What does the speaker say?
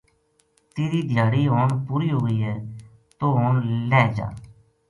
تیری دھیاڑی ہن پوری ہو گئی ہے توہ ہن لہہ جا